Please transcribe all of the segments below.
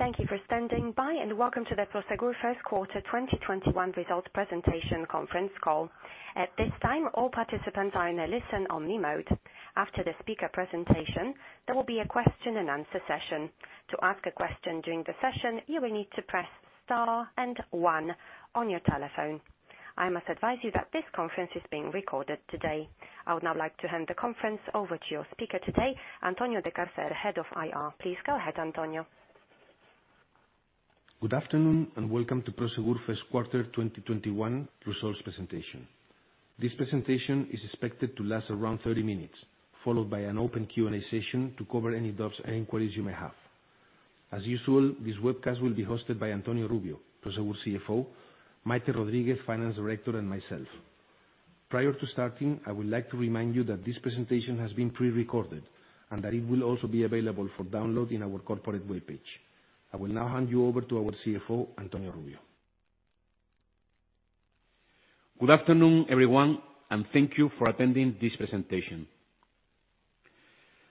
Thank you for standing by, and welcome to the Prosegur First Quarter 2021 Results Presentation Conference Call. At this time, all participants are in a listen-only mode. After the speaker presentation, there will be a question-and-answer session. To ask a question during the session, you will need to press star and one on your telephone. I must advise you that this conference is being recorded today. I would now like to hand the conference over to your speaker today, Antonio de Cárcer, Head of IR. Please go ahead, Antonio. Good afternoon, welcome to Prosegur First Quarter 2021 Results Presentation. This presentation is expected to last around 30 minutes, followed by an open Q&A session to cover any doubts and inquiries you may have. As usual, this webcast will be hosted by Antonio Rubio, Prosegur CFO, Maite Rodríguez, Finance Director, and myself. Prior to starting, I would like to remind you that this presentation has been pre-recorded, that it will also be available for download in our corporate webpage. I will now hand you over to our CFO, Antonio Rubio. Good afternoon, everyone, thank you for attending this presentation.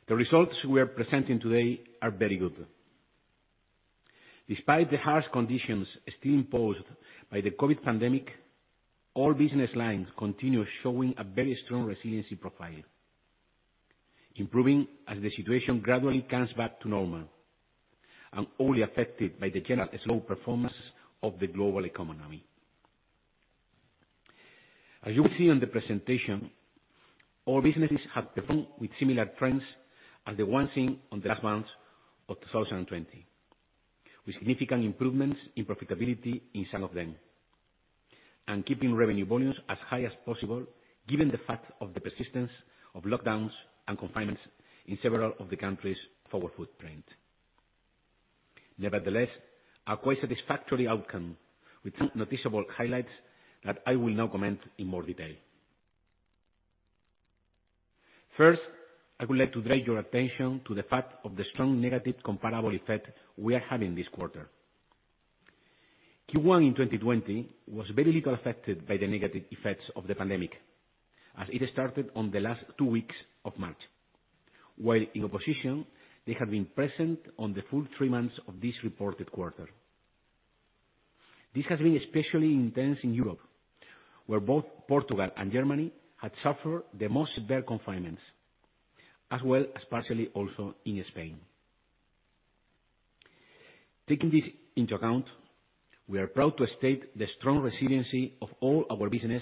The results we are presenting today are very good. Despite the harsh conditions still imposed by the COVID-19 pandemic, all business lines continue showing a very strong resiliency profile, improving as the situation gradually comes back to normal and only affected by the general slow performance of the global economy. As you'll see on the presentation, all businesses have performed with similar trends as the ones seen on the last months of 2020, with significant improvements in profitability in some of them, and keeping revenue volumes as high as possible given the fact of the persistence of lockdowns and confinements in several of the countries' forward footprint. Nevertheless, a quite satisfactory outcome with some noticeable highlights that I will now comment in more detail. First, I would like to draw your attention to the fact of the strong negative comparable effect we are having this quarter. Q1 in 2020 was very little affected by the negative effects of the pandemic, as it started on the last two weeks of March. In a position, they have been present on the full three months of this reported quarter. This has been especially intense in Europe, where both Portugal and Germany had suffered the most severe confinements, as well as partially also in Spain. Taking this into account, we are proud to state the strong resiliency of all our business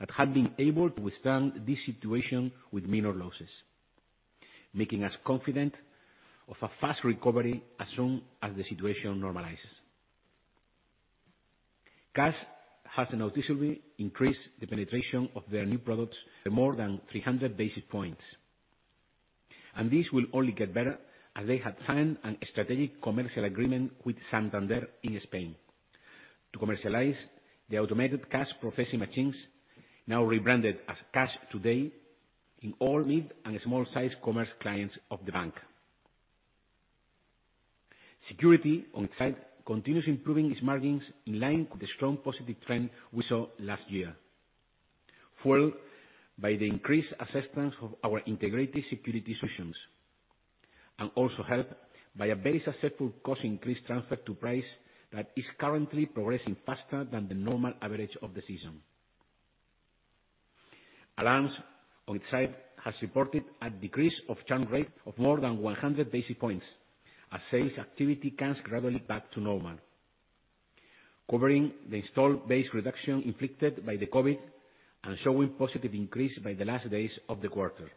that have been able to withstand this situation with minor losses, making us confident of a fast recovery as soon as the situation normalizes. Cash has noticeably increased the penetration of their new products by more than 300 basis points. This will only get better as they have signed a strategic commercial agreement with Santander in Spain to commercialize the automated Cash processing machines, now rebranded as Cash Today, in all mid and small-sized commerce clients of the bank. Security, on its side, continues improving its margins in line with the strong positive trend we saw last year, fueled by the increased acceptance of our integrated security solutions, and also helped by a very successful cost increase transfer to price that is currently progressing faster than the normal average of the season. Alarms, on its side, has reported a decrease of churn rate of more than 100 basis points as sales activity comes gradually back to normal, covering the install base reduction inflicted by the COVID and showing positive increase by the last days of the quarter.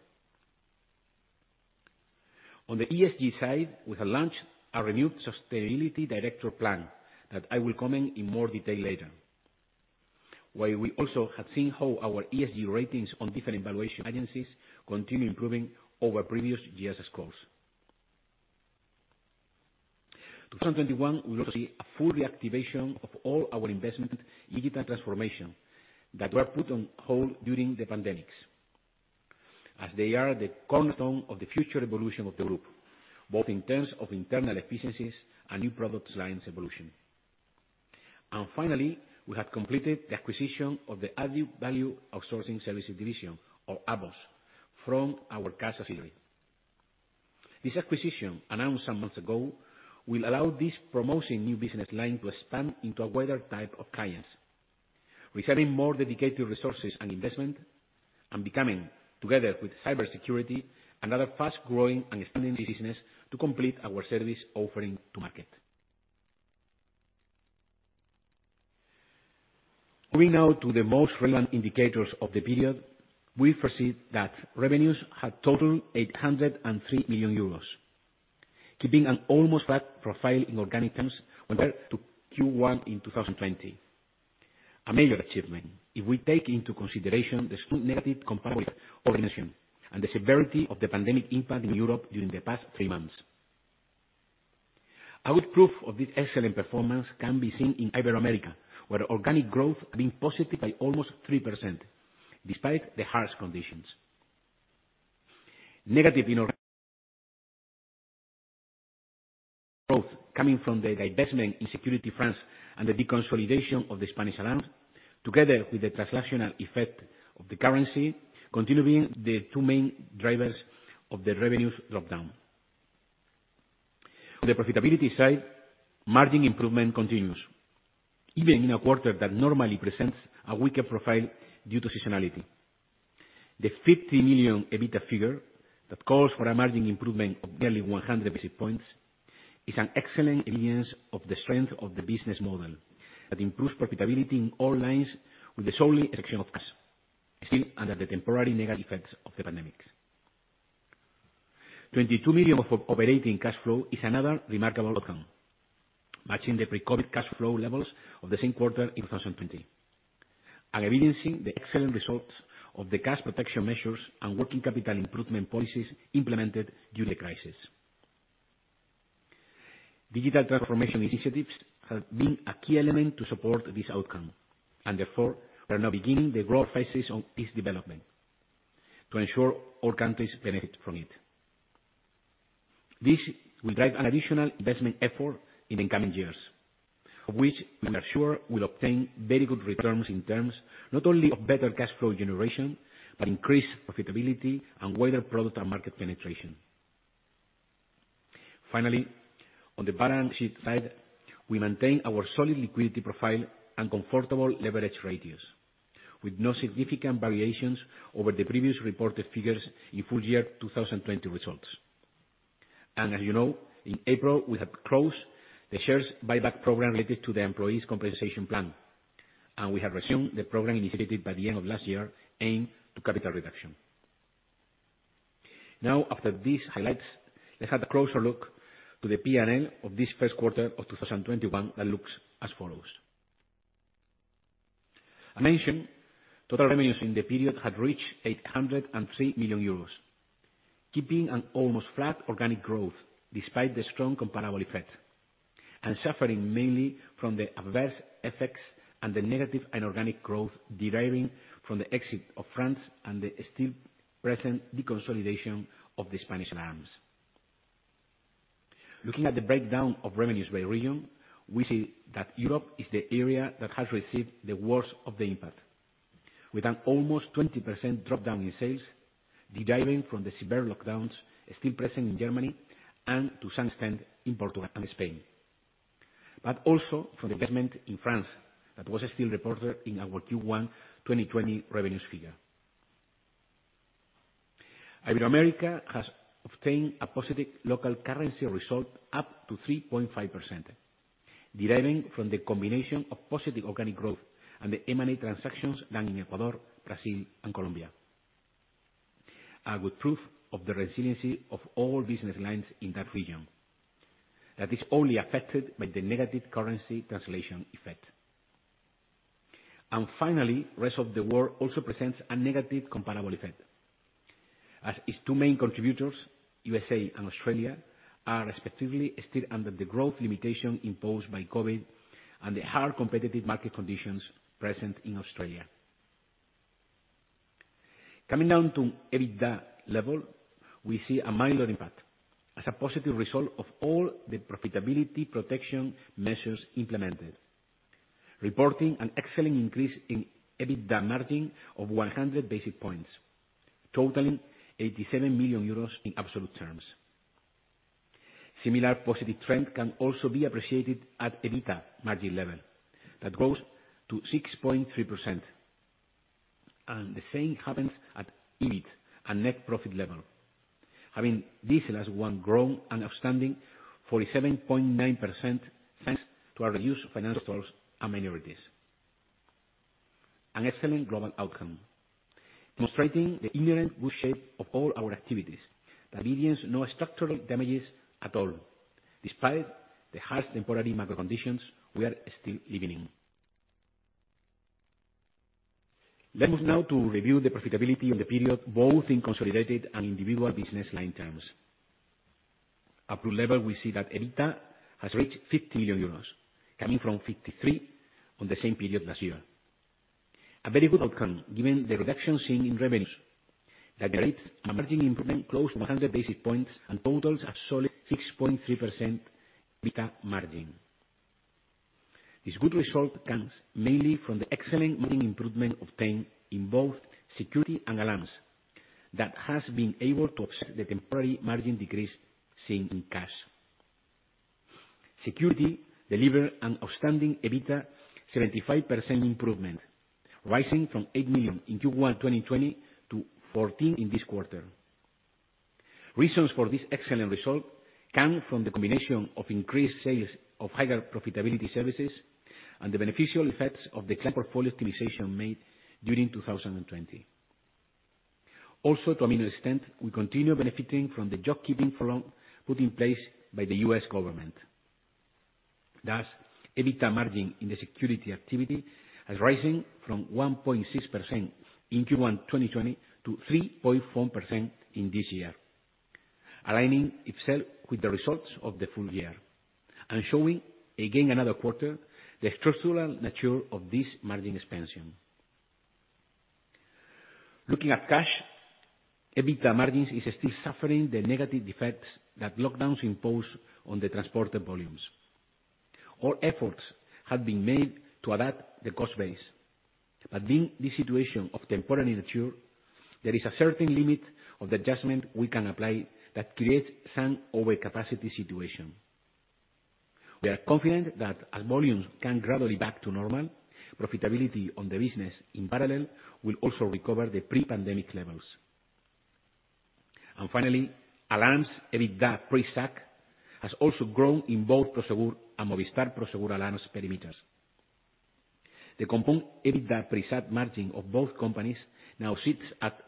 On the ESG side, we have launched a renewed sustainability director plan that I will comment in more detail later, while we also have seen how our ESG ratings on different evaluation agencies continue improving over previous year's scores. 2021 will also see a full reactivation of all our investment in digital transformation that were put on hold during the pandemics, as they are the cornerstone of the future evolution of the group, both in terms of internal efficiencies and new product lines evolution. Finally, we have completed the acquisition of the Added-Value Outsourcing Services division, or AVOS, from our cash subsidiary. This acquisition, announced some months ago, will allow this promising new business line to expand into a wider type of clients, receiving more dedicated resources and investment, and becoming, together with cybersecurity, another fast-growing and expanding business to complete our service offering to market. Moving now to the most relevant indicators of the period, we foresee that revenues had totaled 803 million euros, keeping an almost flat profile in organic terms compared to Q1 2020. A major achievement if we take into consideration the strong negative comparable organization and the severity of the pandemic impact in Europe during the past three months. Our proof of this excellent performance can be seen in Ibero-America, where organic growth had been positive by almost 3%, despite the harsh conditions. Negative growth coming from the divestment in Security France and the deconsolidation of the Spanish Alarm, together with the transactional effect of the currency, continuing the two main drivers of the revenues drop-down. On the profitability side, margin improvement continues, even in a quarter that normally presents a weaker profile due to seasonality. The 50 million EBITDA figure, that calls for a margin improvement of nearly 100 basis points, is an excellent evidence of the strength of the business model that improves profitability in all lines with the sole exception of cash, still under the temporary negative effects of the pandemic. 22 million of operating cash flow is another remarkable outcome, matching the pre-COVID cash flow levels of the same quarter in 2020, and evidencing the excellent results of the cash protection measures and working capital improvement policies implemented during the crisis. Digital transformation initiatives have been a key element to support this outcome. Therefore, we are now beginning the growth phases on this development to ensure all countries benefit from it. This will drive an additional investment effort in the coming years, of which we are sure will obtain very good returns in terms, not only of better cash flow generation, but increased profitability and wider product and market penetration. Finally, on the balance sheet side, we maintain our solid liquidity profile and comfortable leverage ratios, with no significant variations over the previous reported figures in full year 2020 results. As you know, in April, we have closed the shares buyback program related to the employees' compensation plan, and we have resumed the program initiated by the end of last year aimed to capital reduction. After these highlights, let's have a closer look to the P&L of this first quarter of 2021 that looks as follows. I mentioned total revenues in the period had reached 803 million euros, keeping an almost flat organic growth despite the strong comparable effect, and suffering mainly from the adverse effects and the negative inorganic growth deriving from the exit of France and the still present deconsolidation of the Spanish Alarms. Looking at the breakdown of revenues by region, we see that Europe is the area that has received the worst of the impact. With an almost 20% drop-down in sales, deriving from the severe lockdowns still present in Germany and to some extent in Portugal and Spain, but also from the divestment in France that was still reported in our Q1 2020 revenues figure. Ibero-America has obtained a positive local currency result up to 3.5%, deriving from the combination of positive organic growth and the M&A transactions done in Ecuador, Brazil and Colombia. A good proof of the resiliency of all business lines in that region, that is only affected by the negative currency translation effect. Finally, rest of the world also presents a negative comparable effect, as its two main contributors, U.S.A. and Australia, are respectively still under the growth limitation imposed by COVID-19 and the hard competitive market conditions present in Australia. Coming down to EBITDA level, we see a minor impact as a positive result of all the profitability protection measures implemented, reporting an excellent increase in EBITDA margin of 100 basis points, totaling 87 million euros in absolute terms. Similar positive trend can also be appreciated at EBITDA margin level, that goes to 6.3%. The same happens at EBIT and net profit level, having this last one grown an outstanding 47.9% thanks to our reduced financials and minorities. An excellent global outcome, demonstrating the inherent good shape of all our activities that evidence no structural damages at all, despite the harsh temporary macro conditions we are still living in. Let's move now to review the profitability in the period, both in consolidated and individual business line terms. At group level, we see that EBITDA has reached 50 million euros, coming from 53 million on the same period last year. A very good outcome given the reduction seen in revenues that generates a margin improvement close to 100 basis points and totals a solid 6.3% EBITDA margin. This good result comes mainly from the excellent margin improvement obtained in both Security and Alarms that has been able to offset the temporary margin decrease seen in Cash. Security delivered an outstanding EBITDA 75% improvement, rising from 8 million in Q1 2020 to 14 million in this quarter. Reasons for this excellent result come from the combination of increased sales of higher profitability services and the beneficial effects of the client portfolio optimization made during 2020. Also, to a minor extent, we continue benefiting from the Employee Retention Credit put in place by the U.S. government. Thus, EBITDA margin in the security activity is rising from 1.6% in Q1 2020 to 3.4% in this year, aligning itself with the results of the full year, and showing again another quarter the structural nature of this margin expansion. Looking at cash, EBITDA margins is still suffering the negative effects that lockdowns impose on the transporter volumes. All efforts have been made to adapt the cost base. In this situation of temporary nature, there is a certain limit of the adjustment we can apply that creates some over capacity situation. We are confident that as volumes come gradually back to normal, profitability on the business, in parallel, will also recover the pre-pandemic levels. Finally, Alarms EBITDA pre-SAC has also grown in both Prosegur and Movistar Prosegur Alarmas perimeters. The compound EBITDA pre-SAC margin of both companies now sits at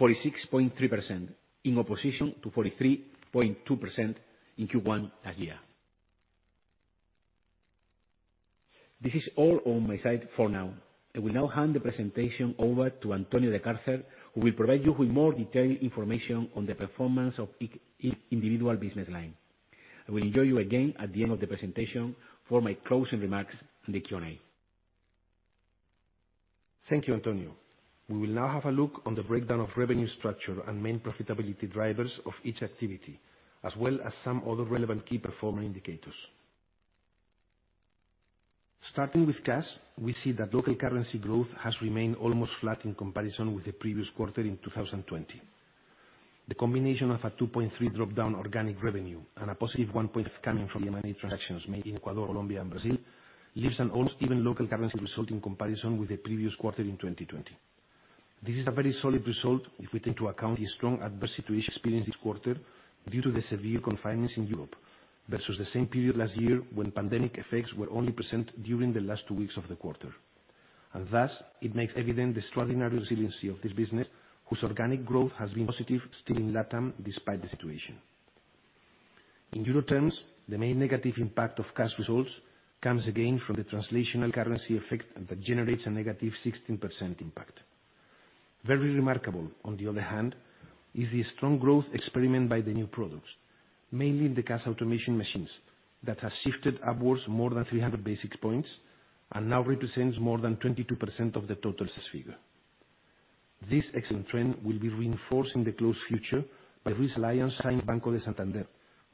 46.3% in opposition to 43.2% in Q1 last year. This is all on my side for now. I will now hand the presentation over to Antonio de Cárcer, who will provide you with more detailed information on the performance of each individual business line. I will join you again at the end of the presentation for my closing remarks on the Q&A. Thank you, Antonio. We will now have a look on the breakdown of revenue structure and main profitability drivers of each activity, as well as some other relevant key performance indicators. Starting with Cash, we see that local currency growth has remained almost flat in comparison with the previous quarter in 2020. The combination of a 2.3 drop-down organic revenue and +1.5% coming from M&A transactions made in Ecuador, Colombia and Brazil leaves an almost even local currency result in comparison with the previous quarter in 2020. This is a very solid result if we take into account the strong adverse situation experienced this quarter due to the severe confinements in Europe, versus the same period last year, when pandemic effects were only present during the last two weeks of the quarter. Thus, it makes evident the extraordinary resilience of this business, whose organic growth has been positive, still in LATAM despite the situation. In Euro terms, the main negative impact of cash results comes again from the translational currency effect that generates a -16% impact. Very remarkable, on the other hand, is the strong growth experienced by the new products, mainly in the cash automation machines, that has shifted upwards more than 300 basis points and now represents more than 22% of the total sales figure. This excellent trend will be reinforced in the close future by recent alliance signed Banco de Santander,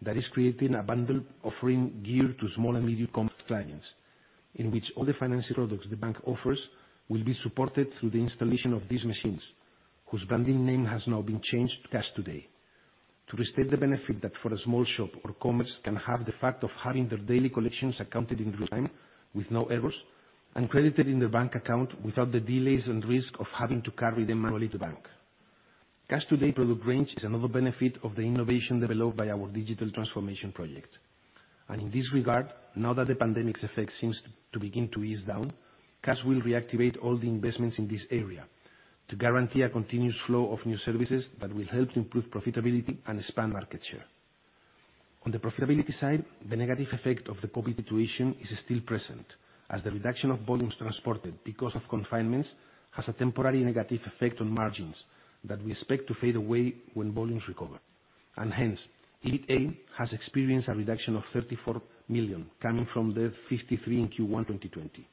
that is creating a bundle offering geared to small and medium commerce clients, in which all the financial products the bank offers will be supported through the installation of these machines, whose branding name has now been changed to Cash Today. To restate the benefit that for a small shop or commerce can have the fact of having their daily collections accounted in real-time with no errors, and credited in their bank account without the delays and risk of having to carry them manually to bank. Cash Today product range is another benefit of the innovation developed by our digital transformation project. In this regard, now that the pandemic's effect seems to begin to ease down, Cash will reactivate all the investments in this area to guarantee a continuous flow of new services that will help to improve profitability and expand market share. On the profitability side, the negative effect of the COVID situation is still present, as the reduction of volumes transported because of confinements has a temporary negative effect on margins that we expect to fade away when volumes recover. Hence, EBITA has experienced a reduction of 34 million coming from 53 million in Q1 2020.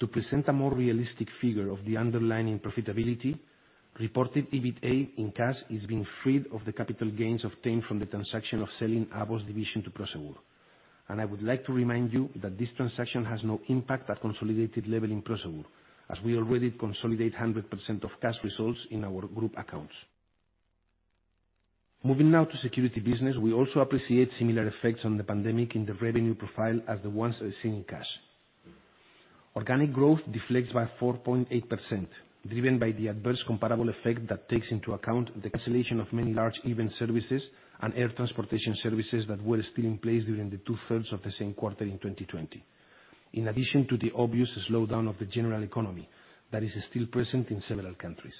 To present a more realistic figure of the underlying profitability, reported EBITA in cash is being freed of the capital gains obtained from the transaction of selling AVOS division to Prosegur. I would like to remind you that this transaction has no impact at consolidated level in Prosegur, as we already consolidate 100% of cash results in our group accounts. Moving now to security business, we also appreciate similar effects on the pandemic in the revenue profile as the ones that we see in cash. Organic growth deflects by 4.8%, driven by the adverse comparable effect that takes into account the cancellation of many large event services and air transportation services that were still in place during the 2/3 of the same quarter in 2020. In addition to the obvious slowdown of the general economy, that is still present in several countries.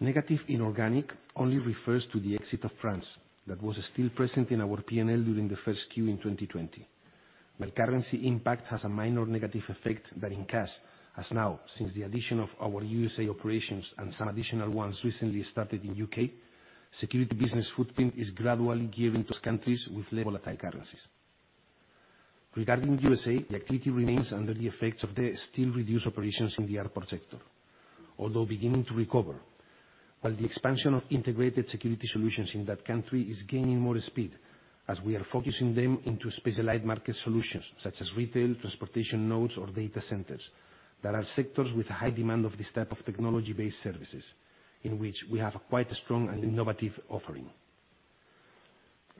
Negative inorganic only refers to the exit of France that was still present in our P&L during the first Q in 2020. Currency impact has a minor negative effect than in cash, as now, since the addition of our U.S.A. operations and some additional ones recently started in U.K., security business footprint is gradually gearing to countries with less volatile currencies. Regarding U.S.A., the activity remains under the effects of the still reduced operations in the airport sector, although beginning to recover. While the expansion of integrated security solutions in that country is gaining more speed, as we are focusing them into specialized market solutions such as retail, transportation nodes, or data centers, that are sectors with high demand of this type of technology-based services, in which we have quite a strong and innovative offering.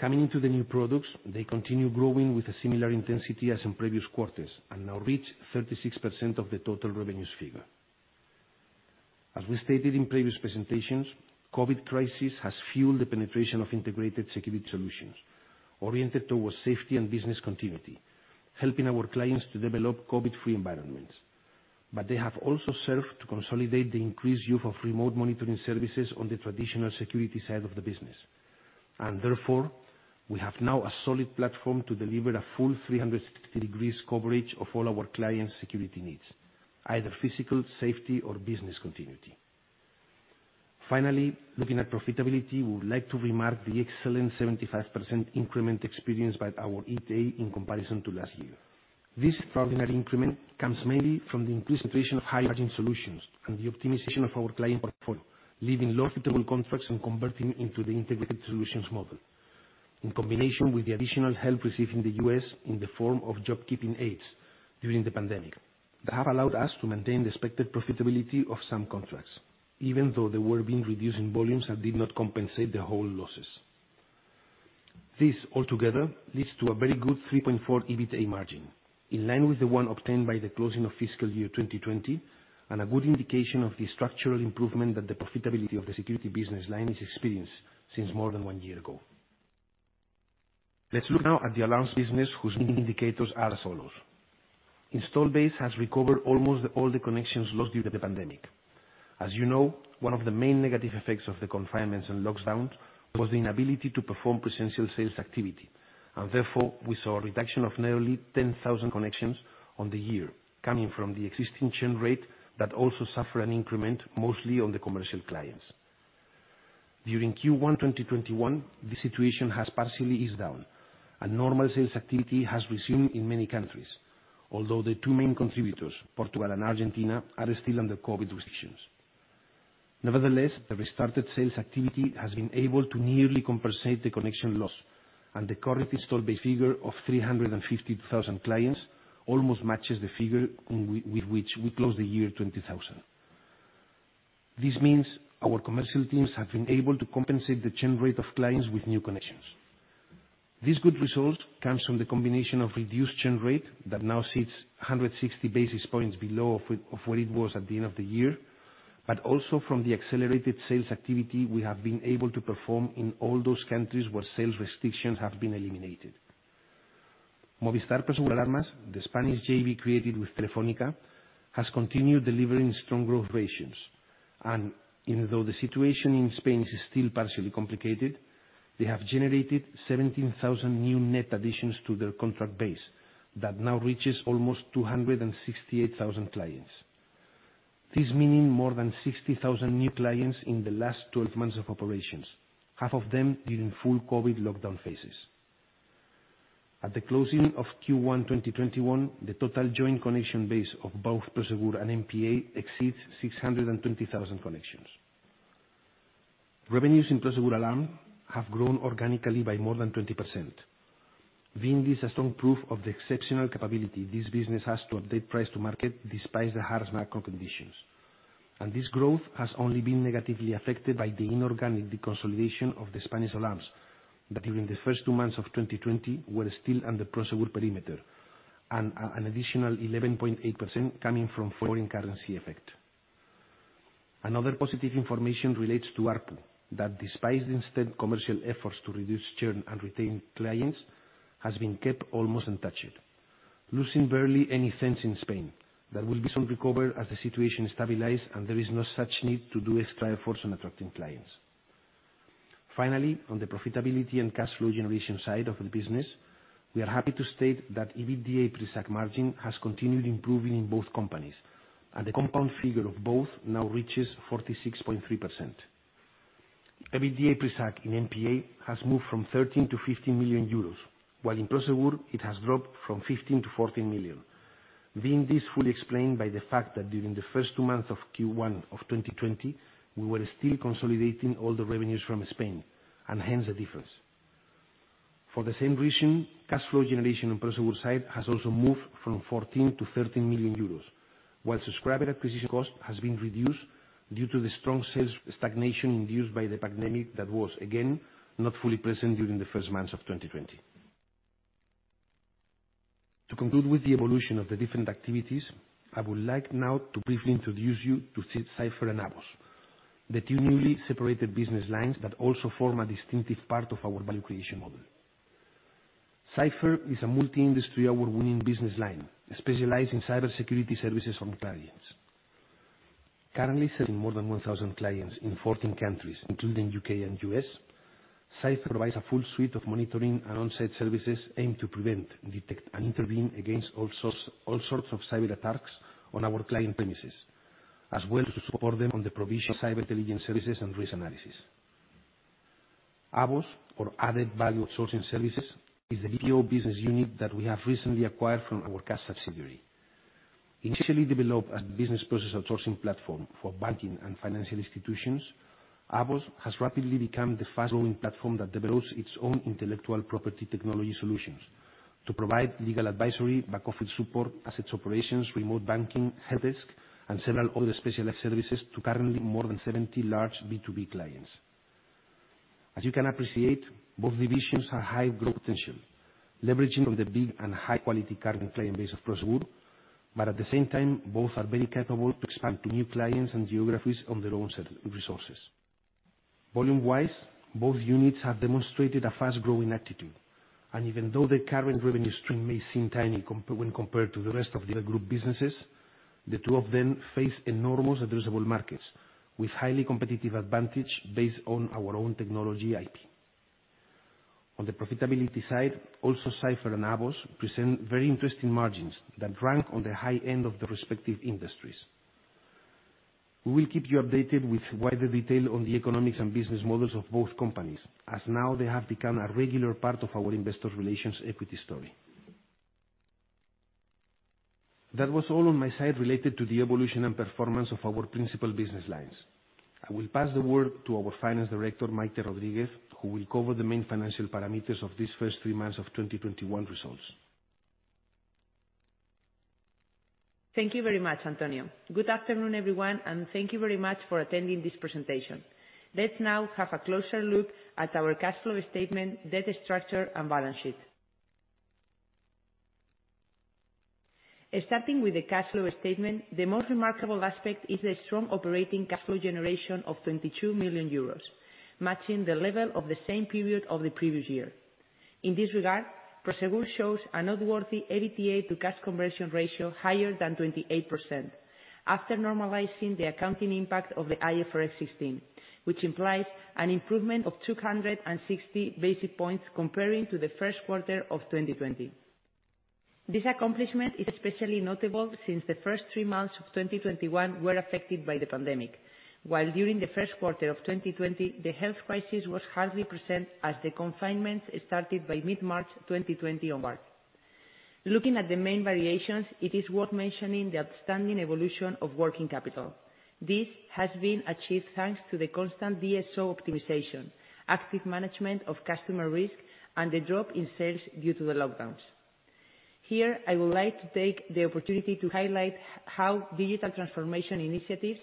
Coming into the new products, they continue growing with a similar intensity as in previous quarters, and now reach 36% of the total revenues figure. As we stated in previous presentations, COVID crisis has fueled the penetration of integrated security solutions oriented towards safety and business continuity, helping our clients to develop COVID-free environments. They have also served to consolidate the increased use of remote monitoring services on the traditional security side of the business. Therefore, we have now a solid platform to deliver a full 360 degrees coverage of all our clients' security needs, either physical safety or business continuity. Finally, looking at profitability, we would like to remark the excellent 75% increment experienced by our EBITA in comparison to last year. This extraordinary increment comes mainly from the increased penetration of high-margin solutions and the optimization of our client portfolio, leaving low profitable contracts and converting into the integrated solutions model. In combination with the additional help received in the U.S. in the form of job keeping aids during the pandemic that have allowed us to maintain the expected profitability of some contracts, even though they were being reduced in volumes that did not compensate the whole losses. This altogether leads to a very good 3.4% EBITDA margin, in line with the one obtained by the closing of fiscal year 2020, and a good indication of the structural improvement that the profitability of the security business line is experienced since more than one year ago. Let's look now at the Alarms business, whose main indicators are as follows. Install base has recovered almost all the connections lost due to the pandemic. As you know, one of the main negative effects of the confinements and lockdowns was the inability to perform presential sales activity, and therefore, we saw a reduction of nearly 10,000 connections on the year, coming from the existing churn rate that also suffer an increment mostly on the commercial clients. During Q1 2021, the situation has partially eased down, and normal sales activity has resumed in many countries, although the two main contributors, Portugal and Argentina, are still under COVID restrictions. Nevertheless, the restarted sales activity has been able to nearly compensate the connection loss, and the current install base figure of 350,000 clients almost matches the figure with which we closed the year 2020. This means our commercial teams have been able to compensate the churn rate of clients with new connections. This good result comes from the combination of reduced churn rate that now sits 160 basis points below of what it was at the end of the year, but also from the accelerated sales activity we have been able to perform in all those countries where sales restrictions have been eliminated. Movistar Prosegur Alarmas, the Spanish JV created with Telefónica, has continued delivering strong growth ratios. Even though the situation in Spain is still partially complicated, they have generated 17,000 new net additions to their contract base that now reaches almost 268,000 clients. This meaning more than 60,000 new clients in the last 12 months of operations, half of them during full COVID lockdown phases. At the closing of Q1 2021, the total joint connection base of both Prosegur and MPA exceeds 620,000 connections. Revenues in Prosegur Alarm have grown organically by more than 20%, being this a strong proof of the exceptional capability this business has to update price to market despite the harsh macro conditions. This growth has only been negatively affected by the inorganic deconsolidation of the Spanish alarms that during the first two months of 2020 were still under Prosegur perimeter, an additional 11.8% coming from foreign currency effect. Another positive information relates to ARPU that, despite the intense commercial efforts to reduce churn and retain clients, has been kept almost untouched, losing barely any cents in Spain. That will be soon recovered as the situation stabilizes and there is no such need to do extra efforts on attracting clients. Finally, on the profitability and cash flow generation side of the business, we are happy to state that EBITDA pre-SAC margin has continued improving in both companies, and the compound figure of both now reaches 46.3%. EBITDA pre-SAC in MPA has moved from 13 million-15 million euros, while in Prosegur, it has dropped from 15 million-14 million, being this fully explained by the fact that during the first two months of Q1 2020, we were still consolidating all the revenues from Spain, and hence the difference. For the same reason, cash flow generation on Prosegur side has also moved from 14 million-13 million euros, while subscriber acquisition cost has been reduced due to the strong sales stagnation induced by the pandemic that was, again, not fully present during the first months of 2020. To conclude with the evolution of the different activities, I would like now to briefly introduce you to Cipher and AVOS, the two newly separated business lines that also form a distinctive part of our value creation model. Cipher is a multi-industry award-winning business line, specialized in cybersecurity services for clients. Currently serving more than 1,000 clients in 14 countries, including U.K. and U.S., Cipher provides a full suite of monitoring and on-site services aimed to prevent, detect, and intervene against all sorts of cyber attacks on our client premises, as well to support them on the provision of cyber intelligence services and risk analysis. AVOS, or Added-Value Outsourcing Services, is the BPO business unit that we have recently acquired from our Cash subsidiary. Initially developed as a business process outsourcing platform for banking and financial institutions, AVOS has rapidly become the fast-growing platform that develops its own intellectual property technology solutions to provide legal advisory, back office support, assets operations, remote banking, helpdesk, and several other specialized services to currently more than 70 large B2B clients. As you can appreciate, both divisions have high growth potential, leveraging on the big and high-quality current client base of Prosegur. At the same time, both are very capable to expand to new clients and geographies on their own set of resources. Volume-wise, both units have demonstrated a fast-growing attitude. Even though the current revenue stream may seem tiny when compared to the rest of the other group businesses, the two of them face enormous addressable markets with highly competitive advantage based on our own technology IP. On the profitability side, also Cipher and AVOS present very interesting margins that rank on the high end of the respective industries. We will keep you updated with wider detail on the economics and business models of both companies, as now they have become a regular part of our Investor Relations equity story. That was all on my side related to the evolution and performance of our principal business lines. I will pass the word to our Finance Director, Maite Rodríguez, who will cover the main financial parameters of these first three months of 2021 results. Thank you very much, Antonio. Good afternoon, everyone, and thank you very much for attending this presentation. Let's now have a closer look at our cash flow statement, debt structure and balance sheet. Starting with the cash flow statement, the most remarkable aspect is the strong operating cash flow generation of 22 million euros, matching the level of the same period of the previous year. In this regard, Prosegur shows a noteworthy EBITDA to cash conversion ratio higher than 28% after normalizing the accounting impact of the IFRS 16, which implies an improvement of 260 basic points comparing to the first quarter of 2020. This accomplishment is especially notable since the first three months of 2021 were affected by the pandemic. While during the first quarter of 2020, the health crisis was hardly present as the confinements started by mid-March 2020 onward. Looking at the main variations, it is worth mentioning the outstanding evolution of working capital. This has been achieved thanks to the constant DSO optimization, active management of customer risk, and the drop in sales due to the lockdowns. Here, I would like to take the opportunity to highlight how digital transformation initiatives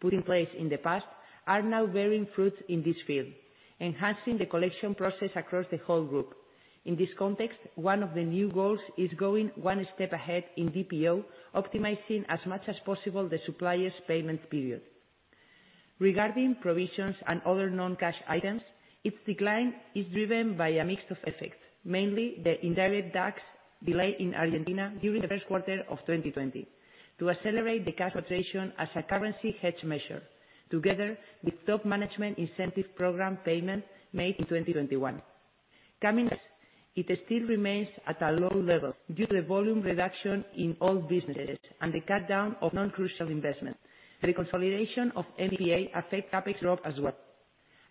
put in place in the past are now bearing fruit in this field, enhancing the collection process across the whole group. In this context, one of the new goals is going one step ahead in BPO, optimizing as much as possible the suppliers payment period. Regarding provisions and other non-cash items, its decline is driven by a mix of effects, mainly the indirect tax delay in Argentina during the first quarter of 2020 to accelerate the cash operation as a currency hedge measure, together with top management incentive program payment made in 2021. It still remains at a low level due to the volume reduction in all businesses and the cut down of non-crucial investment. The consolidation of MPA affect CapEx drop as well.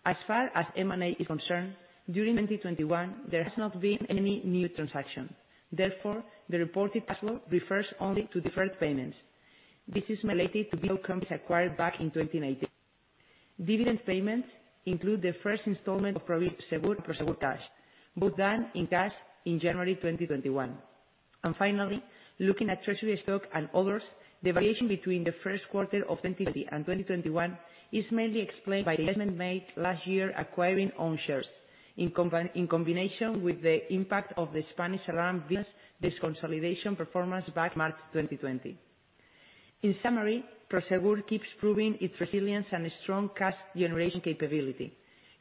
As far as M&A is concerned, during 2021, there has not been any new transaction. The reported cash flow refers only to deferred payments. This is related to the BPO companies acquired back in 2019. Dividend payments include the first installment of Prosegur and Prosegur Cash, both done in cash in January 2021. Finally, looking at treasury stock and others, the variation between the first quarter of 2020 and 2021 is mainly explained by the investment made last year acquiring own shares in combination with the impact of the Spanish Alarms deconsolidation performance back March 2020. In summary, Prosegur keeps proving its resilience and strong cash generation capability,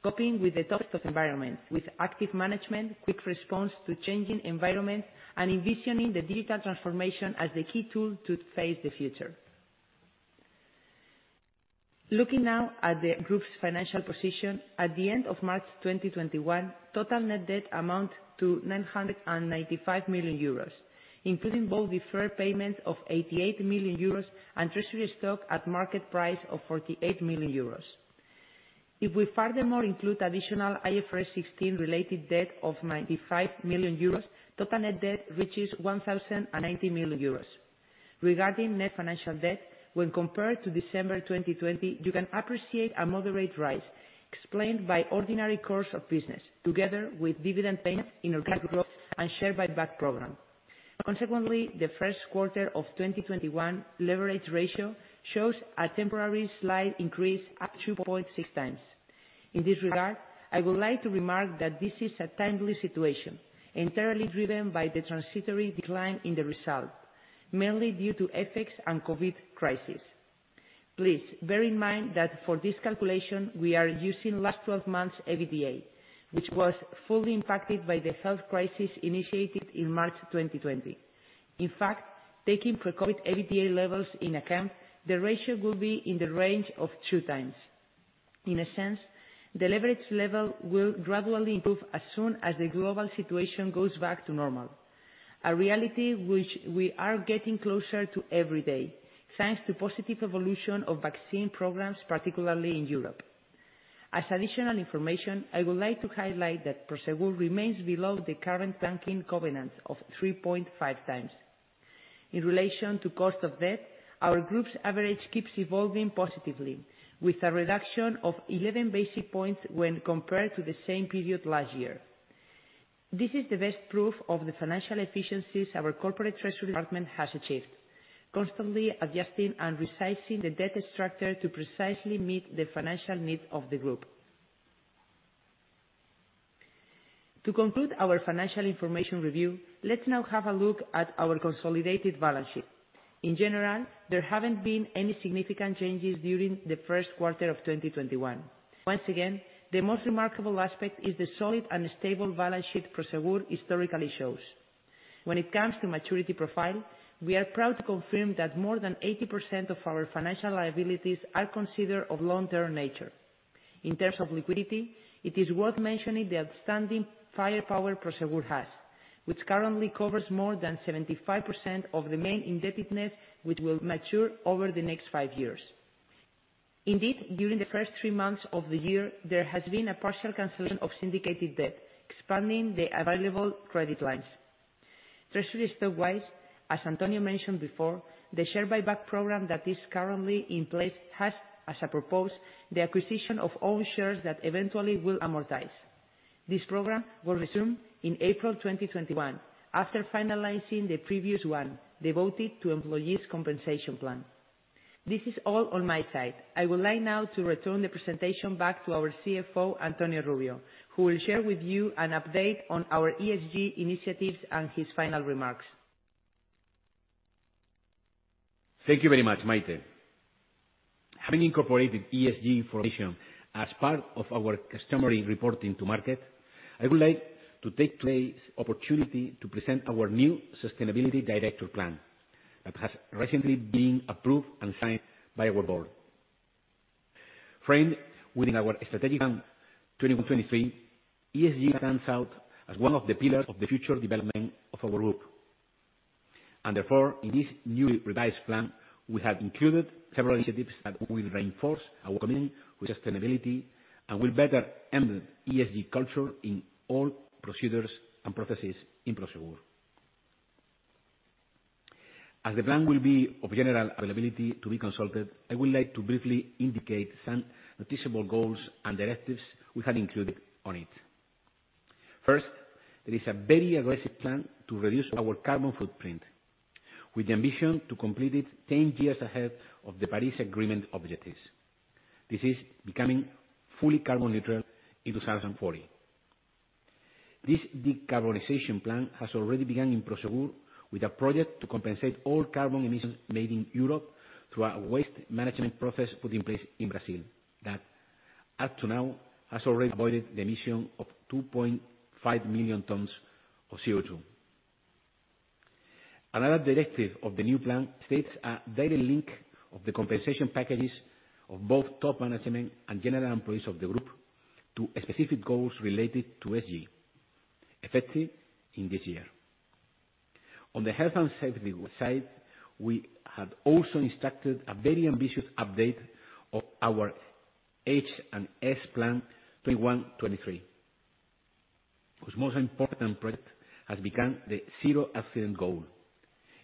coping with the toughest of environment, with active management, quick response to changing environment, and envisioning the digital transformation as the key tool to face the future. Looking now at the group's financial position. At the end of March 2021, total net debt amount to 995 million euros, including both deferred payment of 88 million euros and treasury stock at market price of 48 million euros. If we furthermore include additional IFRS 16 related debt of 95 million euros, total net debt reaches 1,090 million euros. Regarding net financial debt, when compared to December 2020, you can appreciate a moderate rise explained by ordinary course of business, together with dividend payment, inorganic growth, and share buyback program. Consequently, the first quarter of 2021 leverage ratio shows a temporary slight increase up 2.6x. In this regard, I would like to remark that this is a timely situation, entirely driven by the transitory decline in the result, mainly due to FX and COVID crisis. Please bear in mind that for this calculation, we are using last 12 months EBITDA, which was fully impacted by the health crisis initiated in March 2020. Taking pre-COVID EBITDA levels into account, the ratio will be in the range of 2x. In a sense, the leverage level will gradually improve as soon as the global situation goes back to normal. A reality which we are getting closer to every day, thanks to positive evolution of vaccine programs, particularly in Europe. As additional information, I would like to highlight that Prosegur remains below the current banking covenant of 3.5x. In relation to cost of debt, our group's average keeps evolving positively, with a reduction of 11 basis points when compared to the same period last year. This is the best proof of the financial efficiencies our corporate treasury department has achieved, constantly adjusting and resizing the debt structure to precisely meet the financial needs of the group. To conclude our financial information review, let's now have a look at our consolidated balance sheet. In general, there haven't been any significant changes during the first quarter of 2021. Once again, the most remarkable aspect is the solid and stable balance sheet Prosegur historically shows. When it comes to maturity profile, we are proud to confirm that more than 80% of our financial liabilities are considered of long-term nature. In terms of liquidity, it is worth mentioning the outstanding firepower Prosegur has, which currently covers more than 75% of the main indebtedness, which will mature over the next five years. Indeed, during the first three months of the year, there has been a partial cancellation of syndicated debt, expanding the available credit lines. Treasury stock-wise, as Antonio mentioned before, the share buyback program that is currently in place has, as a purpose, the acquisition of own shares that eventually will amortize. This program will resume in April 2021 after finalizing the previous one devoted to employees compensation plan. This is all on my side. I would like now to return the presentation back to our CFO, Antonio Rubio, who will share with you an update on our ESG initiatives and his final remarks. Thank you very much, Maite. Having incorporated ESG information as part of our customary reporting to market, I would like to take today's opportunity to present our new sustainability director plan that has recently been approved and signed by our Board. Framed within our Strategic Plan 2023, ESG stands out as one of the pillars of the future development of our group. Therefore, in this newly revised plan, we have included several initiatives that will reinforce our commitment with sustainability and will better embed ESG culture in all procedures and processes in Prosegur. As the plan will be of general availability to be consulted, I would like to briefly indicate some noticeable goals and directives we have included on it. First, there is a very aggressive plan to reduce our carbon footprint with the ambition to complete it 10 years ahead of the Paris Agreement objectives. This is becoming fully carbon neutral in 2040. This decarbonization plan has already begun in Prosegur with a project to compensate all carbon emissions made in Europe through our waste management process put in place in Brazil that, up to now, has already avoided the emission of 2.5 million tons of CO2. Another directive of the new plan states a direct link of the compensation packages of both top management and general employees of the group to specific goals related to ESG, effective in this year. On the health and safety side, we have also instructed a very ambitious update of our H&S plan 2021, 2023, whose most important project has become the zero accident goal,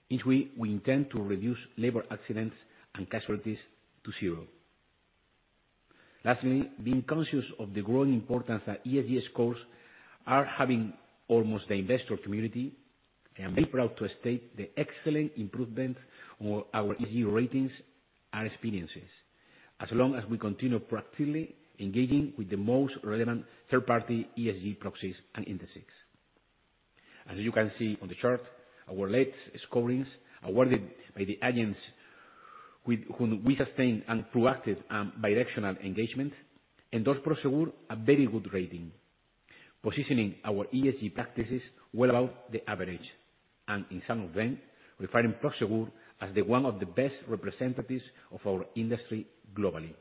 in which we intend to reduce labor accidents and casualties to zero. Lastly, being conscious of the growing importance that ESG scores are having among the investor community, I am very proud to state the excellent improvement on our ESG ratings and agencies, as long as we continue proactively engaging with the most relevant third-party ESG proxies and indices. As you can see on the chart, our latest scorings awarded by the agents with whom we sustained and proactive bidirectional engagement, endorse Prosegur a very good rating, positioning our ESG practices well above the average. In some of them, referring Prosegur as one of the best representatives of our industry globally.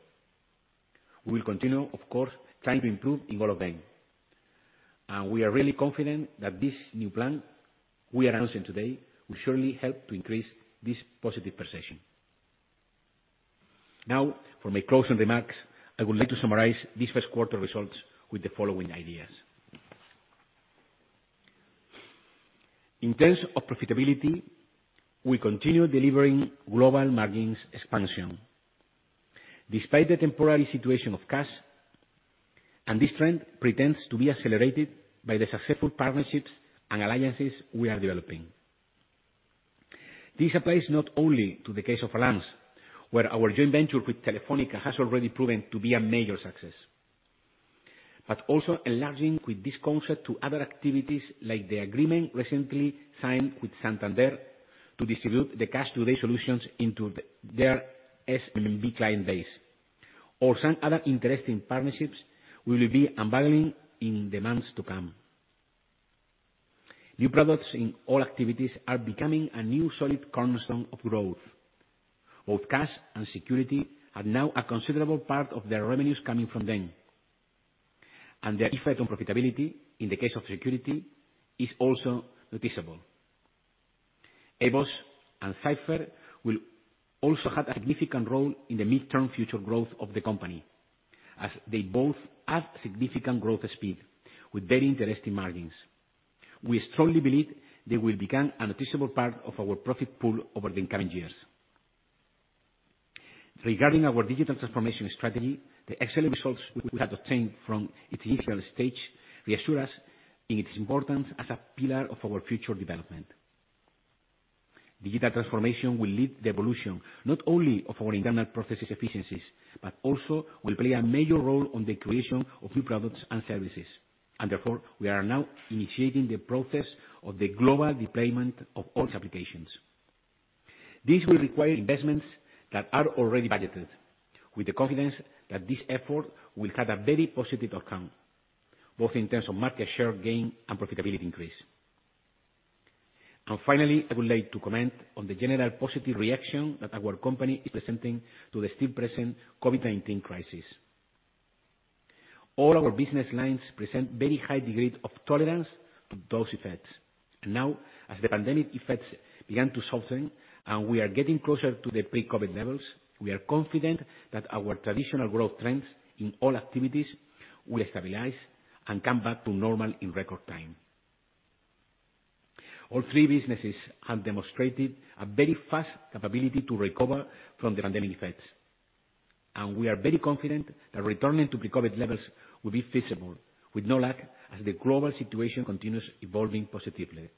We will continue, of course, trying to improve in all of them. We are really confident that this new plan we're announcing today will surely help to increase this positive perception. Now, for my closing remarks, I would like to summarize this first quarter results with the following ideas. In terms of profitability, we continue delivering global margins expansion despite the temporary situation of cash. This trend promises to be accelerated by the successful partnerships and alliances we are developing. This applies not only to the case of Alarms, where our joint venture with Telefónica has already proven to be a major success, but also enlarging with this concept to other activities like the agreement recently signed with Santander to distribute the Cash Today solutions into their SMB client base or some other interesting partnerships we will be unveiling in the months to come. New products in all activities are becoming a new solid cornerstone of growth. Both Cash and Security have now a considerable part of their revenues coming from them. Their effect on profitability, in the case of security, is also noticeable. AVOS and Cipher will also have a significant role in the mid-term future growth of the company, as they both add significant growth speed with very interesting margins. We strongly believe they will become a noticeable part of our profit pool over the coming years. Regarding our digital transformation strategy, the excellent results we have obtained from its initial stage reassure us in its importance as a pillar of our future development. Digital transformation will lead the evolution not only of our internal processes efficiencies, but also will play a major role on the creation of new products and services. Therefore, we are now initiating the process of the global deployment of all applications. This will require investments that are already budgeted, with the confidence that this effort will have a very positive outcome, both in terms of market share gain and profitability increase. Finally, I would like to comment on the general positive reaction that our company is presenting to the still-present COVID-19 crisis. All our business lines present very high degrees of tolerance to those effects. Now, as the pandemic effects begin to soften and we are getting closer to the pre-COVID levels, we are confident that our traditional growth trends in all activities will stabilize and come back to normal in record time. All three businesses have demonstrated a very fast capability to recover from the pandemic effects, and we are very confident that returning to pre-COVID levels will be feasible, with no lack, as the global situation continues evolving positively.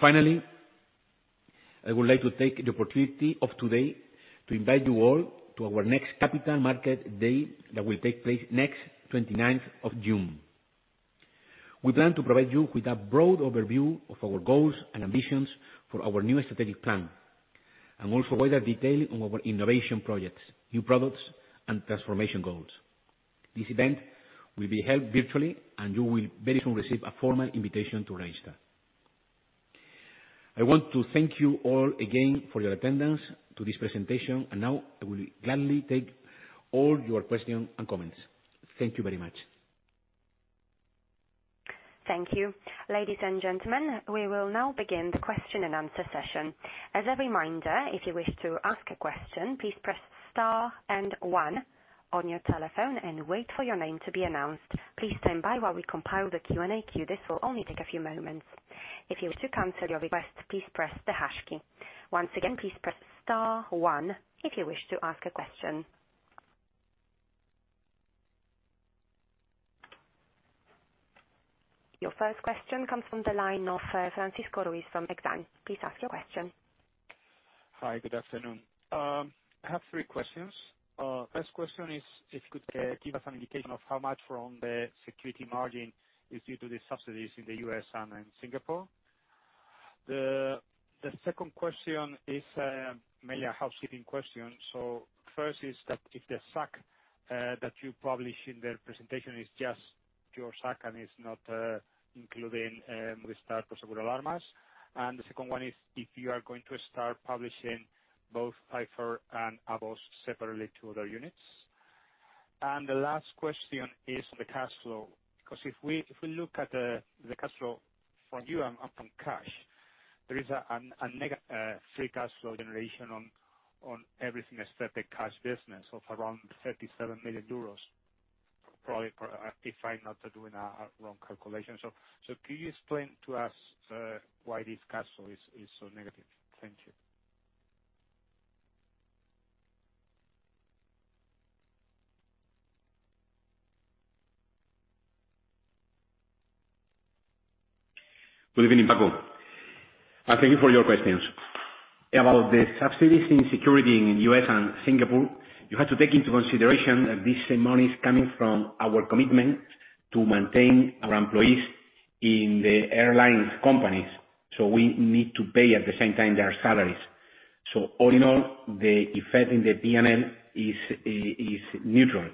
Finally, I would like to take the opportunity of today to invite you all to our next Capital Markets Day that will take place next 29th of June. We plan to provide you with a broad overview of our goals and ambitions for our new Strategic Plan, and also wider detail on our innovation projects, new products, and transformation goals. This event will be held virtually, and you will very soon receive a formal invitation to register. I want to thank you all again for your attendance to this presentation, and now I will gladly take all your questions and comments. Thank you very much. Thank you. Ladies and gentlemen, we will now begin the question-and-answer session. As a reminder if you wish to ask a question please press star and one on your telephone and wait for your name to be announced. Please stand by while we compile the Q&A queue. This will take only a few moments. If you wish to cancel your request please press the hash key. Once again please press star one if you wish to ask a question. Your first question comes from the line of Francisco Ruiz from Exane. Please ask your question. Hi. Good afternoon. I have three questions. First question is, if you could give us an indication of how much from the Security margin is due to the subsidies in the U.S. and in Singapore. The second question is mainly a housekeeping question. First is that if the SAC that you publish in the presentation is just your SAC and is not including Movistar Prosegur Alarmas. The second one is, if you are going to start publishing both Cipher and AVOS separately to other units. The last question is the cash flow, because if we look at the cash flow from you and from Cash, there is a free cash flow generation on everything except the Cash business of around 37 million euros. Probably, if I'm not doing a wrong calculation. Can you explain to us why this cash flow is so negative? Thank you. Good evening, [Franco]. Thank you for your questions. About the subsidies in security in U.S. and Singapore, you have to take into consideration that this money is coming from our commitment to maintain our employees in the airlines companies. We need to pay, at the same time, their salaries. All in all, the effect in the P&L is neutral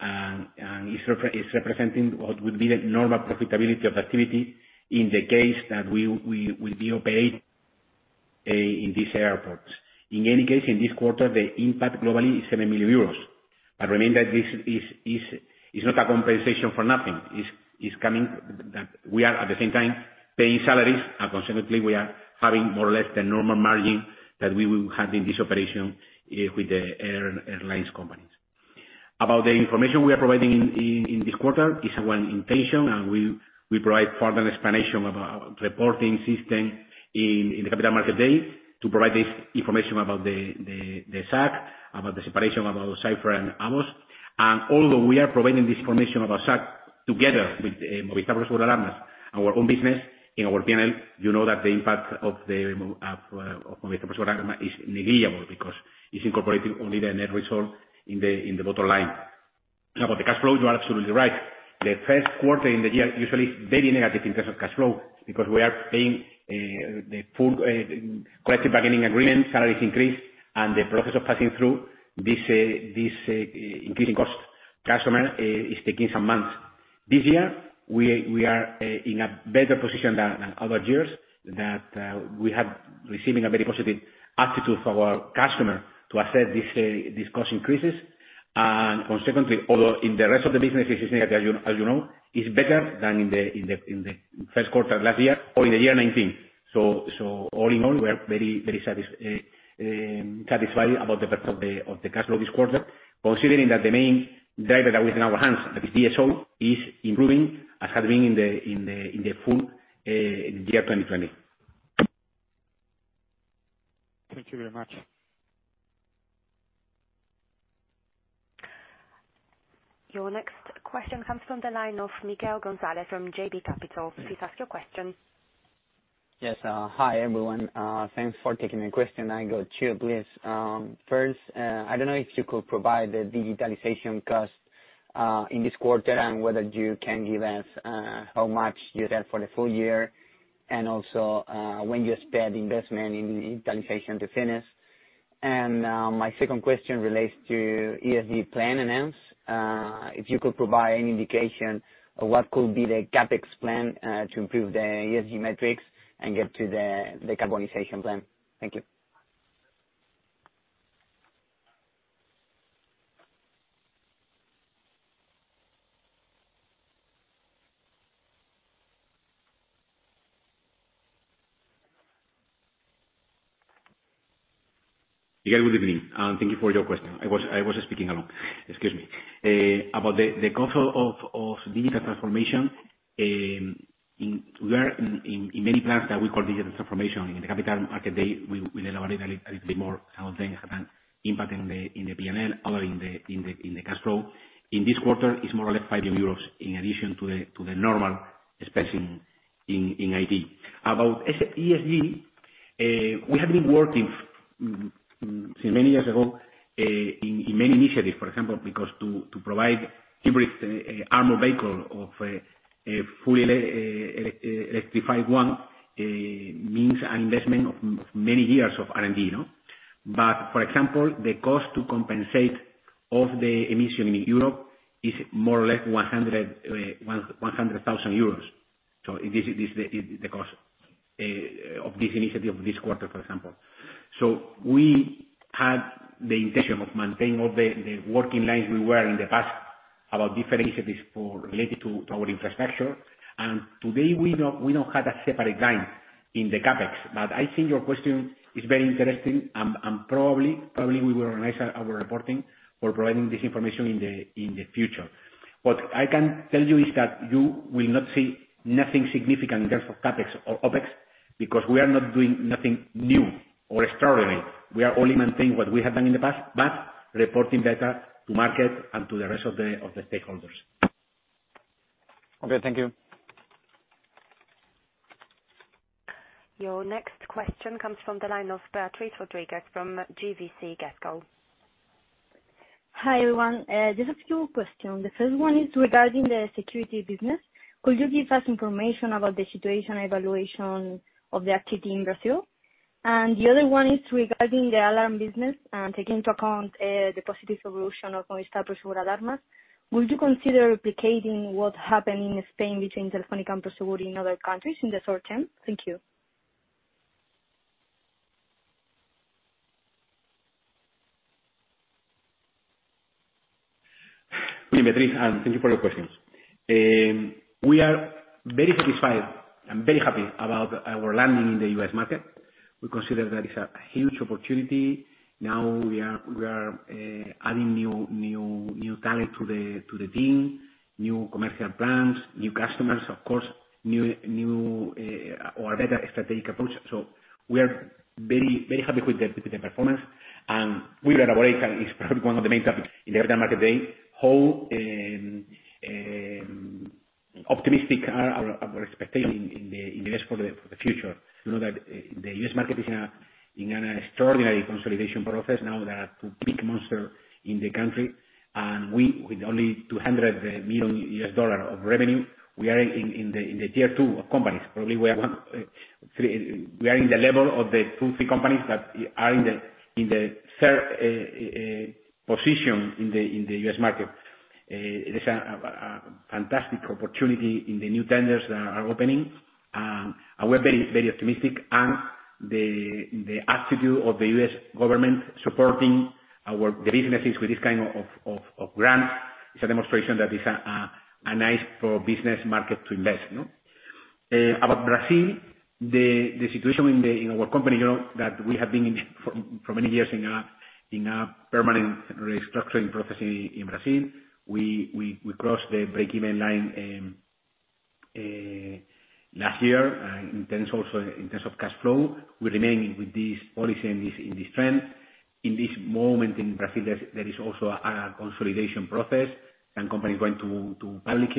and is representing what would be the normal profitability of activity in the case that we will be operating in these airports. In any case, in this quarter, the impact globally is 7 million euros. Remember, this is not a compensation for nothing. We are, at the same time, paying salaries, and consequently, we are having more or less the normal margin that we will have in this operation with the airlines companies. About the information we are providing in this quarter, it's one intention. We provide further explanation of our reporting system in the Capital Markets Day to provide this information about the SAC, about the separation of both Cipher and AVOS. Although we are providing this information about SAC together with Movistar Prosegur Alarmas, our own business in our P&L, you know that the impact of Movistar Prosegur Alarmas is negligible because it's incorporating only the net result in the bottom line. About the cash flow, you are absolutely right. The first quarter in the year usually is very negative in terms of cash flow because we are paying the full collective bargaining agreement, salaries increase, and the process of passing through this increasing cost. Cash flow is taking some months. This year, we are in a better position than other years, that we have receiving a very positive attitude for our customer to accept these cost increases. Consequently, although in the rest of the business, as you know, it's better than in the first quarter last year or in the year 2019. All in all, we are very satisfied about the part of the cash flow this quarter, considering that the main driver that was in our hands, that is DSO, is improving, as had been in the full year 2020. Thank you very much. Your next question comes from the line of Miguel Gonzalez from JB Capital. Please ask your question. Yes. Hi, everyone. Thanks for taking the question. I got two, please. First, I don't know if you could provide the digitalization cost, in this quarter and whether you can give us how much you set for the full year and also when you expect investment in digitalization to finish. My second question relates to ESG plan announcements. If you could provide any indication of what could be the CapEx plan to improve the ESG metrics and get to the decarbonization plan. Thank you. Miguel, good evening, and thank you for your question. I was speaking alone. Excuse me. The cost of digital transformation, in many plans that we call digital transformation, in the Capital Markets Day, we elaborate a little bit more how they have an impact in the P&L or in the cash flow. In this quarter, it's more or less 5 million euros, in addition to the normal, especially in IT. ESG, we have been working since many years ago in many initiatives, for example, because to provide every armored vehicle of a fully electrified one means an investment of many years of R&D. For example, the cost to compensate of the emission in Europe is more or less 100,000 euros. This is the cost of this initiative this quarter, for example. We had the intention of maintaining all the working lines we were in the past about different initiatives related to our infrastructure. Today, we don't have a separate line in the CapEx. I think your question is very interesting, and probably we will organize our reporting for providing this information in the future. What I can tell you is that you will not see anything significant in terms of CapEx or OpEx, because we are not doing anything new or extraordinary. We are only maintaining what we have done in the past, but reporting better to market and to the rest of the stakeholders. Okay. Thank you. Your next question comes from the line of Beatriz Rodríguez from GVC Gaesco. Hi, everyone. Just a few questions. The first one is regarding the security business. Could you give us information about the situation evaluation of the activity in Brazil? The other one is regarding the alarm business and taking into account the positive evolution of our Movistar Prosegur Alarmas. Would you consider replicating what happened in Spain between Telefónica and Prosegur in other countries in the short term? Thank you. Hi, Beatriz. Thank you for your questions. We are very satisfied and very happy about our landing in the U.S. market. We consider that it's a huge opportunity. We are adding new talent to the team, new commercial plans, new customers, of course, a better strategic approach. We are very, very happy with the performance. We elaborate, and it's probably one of the main topics in the market today, how optimistic are our expectations in the U.S. for the future. You know that the U.S. market is in an extraordinary consolidation process. There are two big monsters in the country, and we, with only $200 million of revenue, we are in the Tier 2 of companies. Probably we are in the level of the two, three companies that are in the third position in the U.S. market. It is a fantastic opportunity in the new tenders that are opening, and we are very optimistic. The attitude of the U.S. government supporting our businesses with these kinds of grants is a demonstration that it's a nice business market to invest in. About Brazil, the situation in our company, you know that we have been for many years in a permanent restructuring process in Brazil. We crossed the break-even line last year, and in terms also of cash flow, we remain with this policy and this trend. In this moment in Brazil, there is also a consolidation process, and companies are going to public.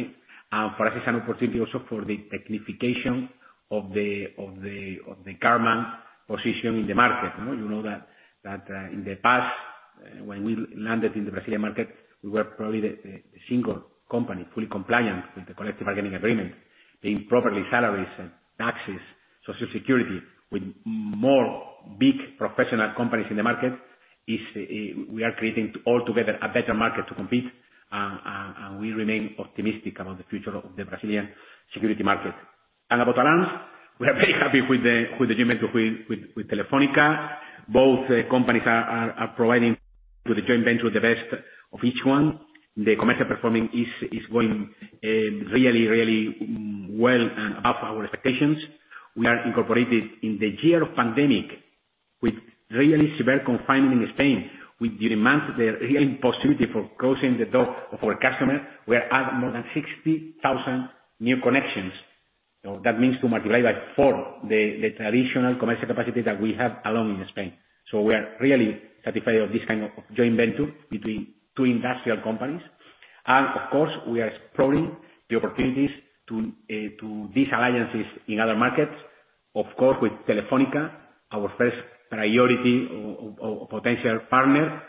For us, it's an opportunity also for the technification of the government position in the market. You know that in the past, when we landed in the Brazilian market, we were probably the single company fully compliant with the collective bargaining agreement, paying properly salaries and taxes, social security. We remain optimistic about the future of the Brazilian security market. About Alarms, we are very happy with the joint venture with Telefónica. Both companies are providing to the joint venture the best of each one. The commercial performance is going really well above our expectations. We were incorporated in the year of pandemic with really severe confinement in Spain, with the demand, the real impossibility for closing the door of our customers. We are at more than 60,000 new connections. That means to multiply by four the traditional commercial capacity that we have alone in Spain. We are really satisfied with this kind of joint venture between two industrial companies. Of course, we are exploring the opportunities to these alliances in other markets. Of course, with Telefónica, our first priority or potential partner.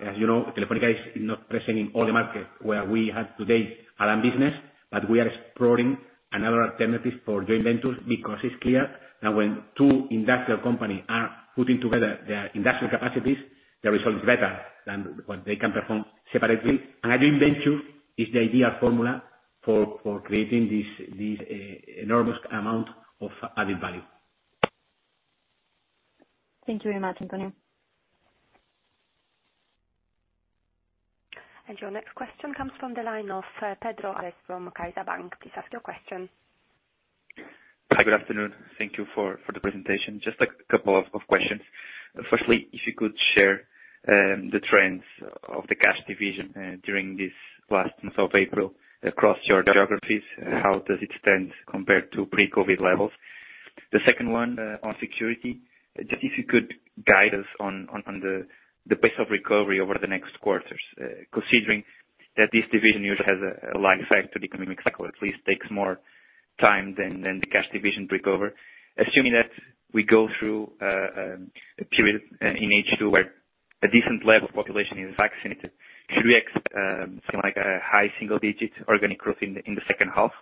As you know, Telefónica is not present in all the markets where we have today alarm business. We are exploring another alternative for joint ventures because it's clear that when two industrial companies are putting together their industrial capacities, the result is better than what they can perform separately. A joint venture is the ideal formula for creating this enormous amount of added value. Thank you very much, Antonio. Your next question comes from the line of Pedro Alves from CaixaBank. Please ask your question. Hi, good afternoon. Thank you for the presentation. Just a couple of questions. Firstly, if you could share the trends of the cash division during this last month of April across your geographies, how does it stand compared to pre-COVID levels? The second one on security, just if you could guide us on the pace of recovery over the next quarters, considering that this division usually has a lag effect to the economic cycle. At least takes more time than the cash division to recover. Assuming that we go through a period in H2 where a decent level of population is vaccinated, should we expect something like a high single digit organic growth in the second half?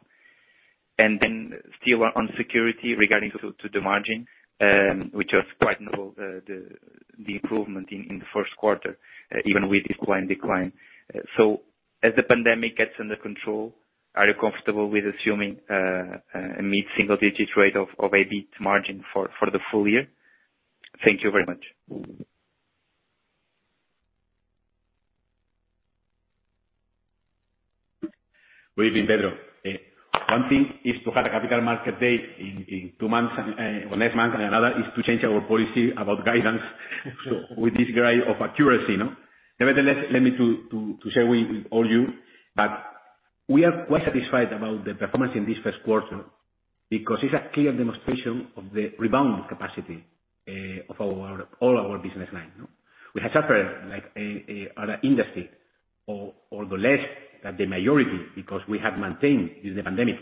Still on security regarding to the margin, which was quite notable, the improvement in the first quarter, even with decline. As the pandemic gets under control, are you comfortable with assuming a mid-single digit rate of EBIT margin for the full year? Thank you very much. Good evening, Pedro. One thing is to have a Capital Markets Day in two months or next month, another is to change our policy about guidance so with this degree of accuracy. Nevertheless, let me to share with all you that we are quite satisfied about the performance in this first quarter, because it's a clear demonstration of the rebound capacity of all our business lines. We have suffered like other industry, although less than the majority, because we have maintained, through the pandemic,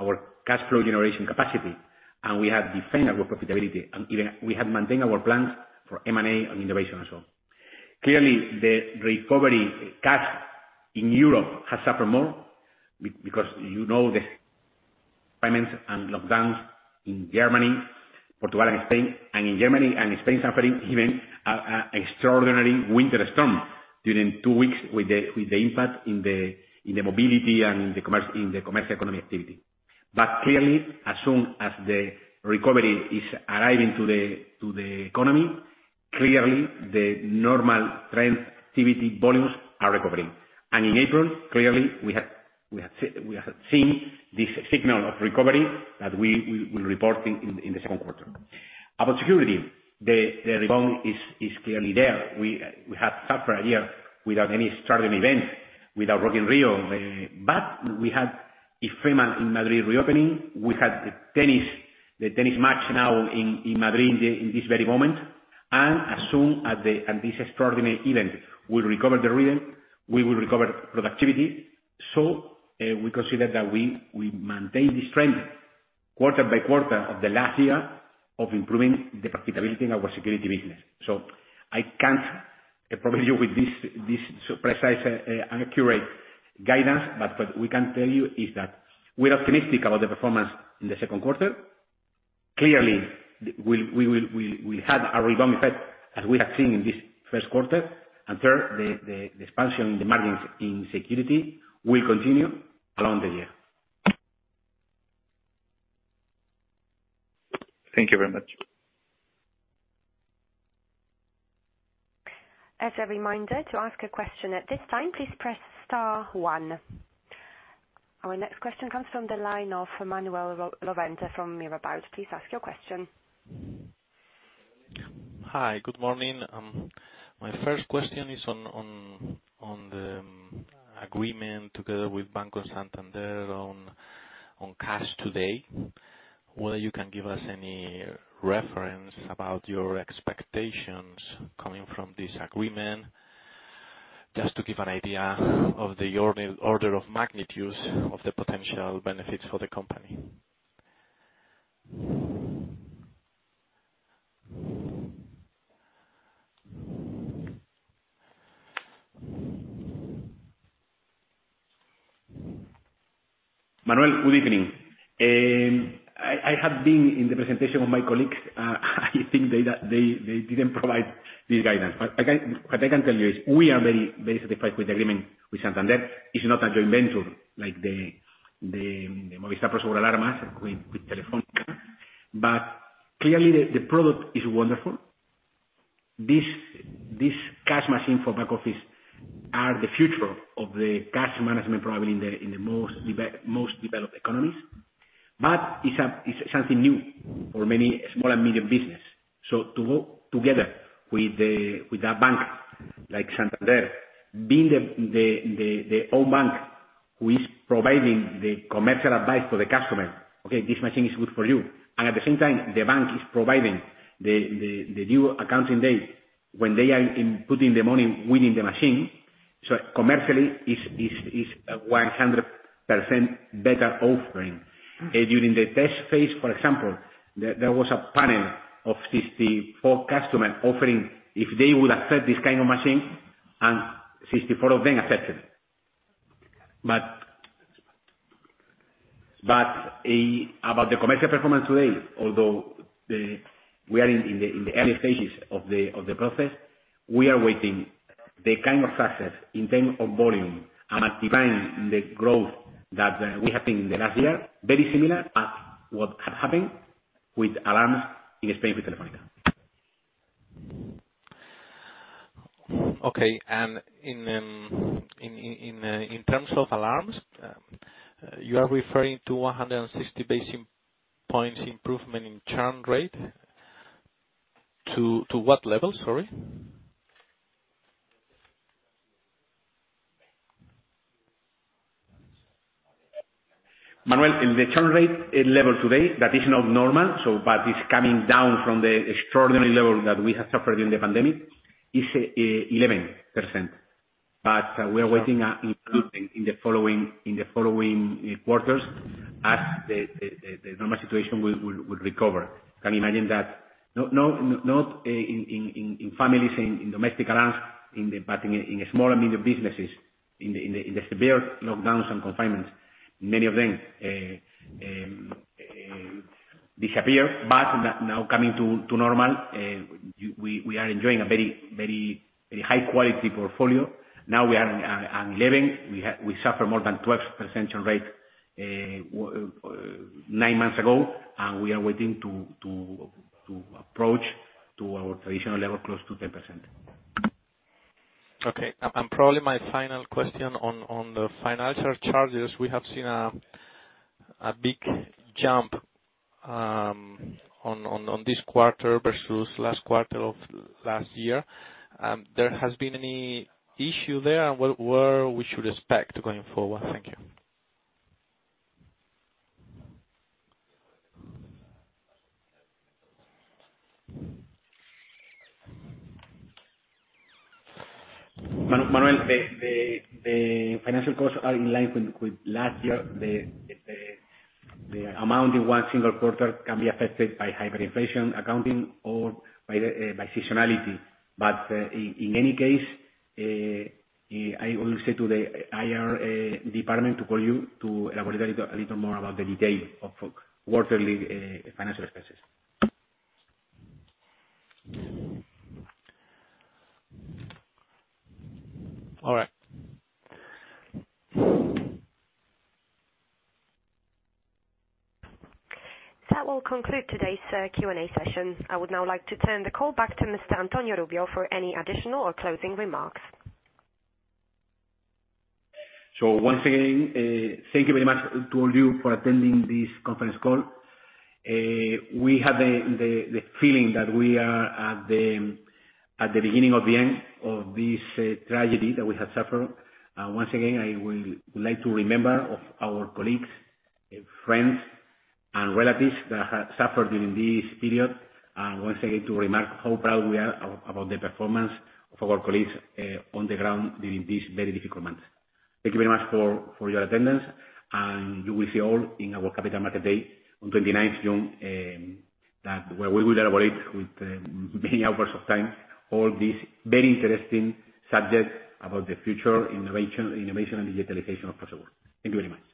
our cash flow generation capacity, and we have defended our profitability. Even we have maintained our plans for M&A and innovation as well. Clearly, the recovery cash in Europe has suffered more because you know the payments and lockdowns in Germany, Portugal, and Spain. In Germany and Spain suffering even extraordinary winter storm during two weeks with the impact in the mobility and in the commercial economy activity. Clearly, as soon as the recovery is arriving to the economy, clearly the normal trend activity volumes are recovering. In April, clearly, we have seen this signal of recovery that we will report in the second quarter. About security, the rebound is clearly there. We have suffered a year without any extraordinary event, without Rock in Rio. We had IFEMA in Madrid reopening. We had the tennis match now in Madrid in this very moment. As soon as this extraordinary event will recover the rhythm, we will recover productivity. We consider that we maintain this trend quarter-by-quarter of the last year of improving the profitability in our Security business. I can't provide you with this precise and accurate guidance, but what we can tell you is that we're optimistic about the performance in the second quarter. Clearly, we'll have a rebound effect as we have seen in this first quarter. Third, the expansion in the margins in security will continue along the year. Thank you very much. As a reminder, to ask a question at this time, please press star one. Our next question comes from the line of Manuel Lorente from Mirabaud. Please ask your question. Hi. Good morning. My first question is on the agreement together with Banco Santander on Cash Today. Whether you can give us any reference about your expectations coming from this agreement, just to give an idea of the order of magnitudes of the potential benefits for the company? Manuel, good evening. I have been in the presentation of my colleagues. I think they didn't provide this guidance. What I can tell you is we are very, very satisfied with the agreement with Santander. It's not a joint venture like the Movistar Prosegur Alarmas with Telefónica. Clearly, the product is wonderful. This cash machine for back office are the future of the cash management, probably in the most developed economies. It's something new for many small and medium business. To go together with a bank like Santander, being the own bank who is providing the commercial advice for the customer, "Okay, this machine is good for you." At the same time, the bank is providing the new accounting date when they are inputting the money within the machine. Commercially, it's a 100% better offering. During the test phase, for example, there was a panel of 64 customers offering if they would accept this kind of machine, and 64 of them accepted it. About the commercial performance today, although we are in the early stages of the process, we are waiting the kind of success in terms of volume and acquiring the growth that we have seen in the last year, very similar as what had happened with Alarms in Spain with Telefónica. Okay. In terms of Alarms, you are referring to 160 basis points improvement in churn rate to what level? Sorry. Manuel, the churn rate level today, that is not normal, it's coming down from the extraordinary level that we have suffered during the pandemic, it's 11%. We are waiting including in the following quarters as the normal situation will recover. Can you imagine that not in families, in domestic alarms, in small and medium businesses, in the severe lockdowns and confinements, many of them disappear. Now coming to normal, we are enjoying a very high-quality portfolio. Now we are at 11%. We suffer more than 12% churn rate nine months ago, we are waiting to approach to our traditional level close to 10%. Okay. Probably my final question on the financial charges. We have seen a big jump on this quarter versus last quarter of last year. There has been any issue there, and what we should expect going forward? Thank you. Manuel, the financial costs are in line with last year. The amount in one single quarter can be affected by hyperinflation accounting or by seasonality. In any case, I will say to the IR department to call you to elaborate a little more about the detail of quarterly financial expenses. All right. That will conclude today's Q&A session. I would now like to turn the call back to Mr. Antonio Rubio for any additional or closing remarks. Once again, thank you very much to all of you for attending this conference call. We have the feeling that we are at the beginning of the end of this tragedy that we have suffered. Once again, I would like to remember of our colleagues, friends, and relatives that have suffered during this period, and once again, to remark how proud we are about the performance of our colleagues on the ground during these very difficult months. Thank you very much for your attendance, and we will see all in our Capital Markets Day on 29th June, where we will elaborate with many hours of time all these very interesting subjects about the future innovation and digitalization of Prosegur. Thank you very much.